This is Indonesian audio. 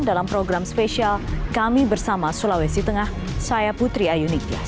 dalam program spesial kami bersama sulawesi tengah saya putri ayu nikias